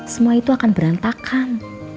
semua itu akan berantakan